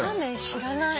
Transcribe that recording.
知らない。